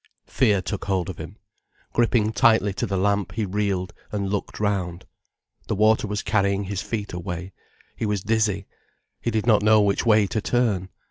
Fear took hold of him. Gripping tightly to the lamp, he reeled, and looked round. The water was carrying his feet away, he was dizzy. He did not know which way to turn.